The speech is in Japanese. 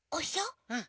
うん。